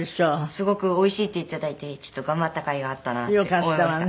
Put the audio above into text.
「すごくおいしい」って言って頂いて頑張ったかいがあったなって思いました。